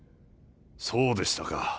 そうでしたか。